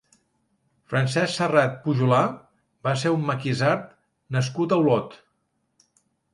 Francesc Serrat Pujolar va ser un maquisard nascut a Olot.